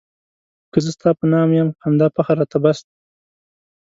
که زه ستا په نام یم همدا فخر راته بس دی.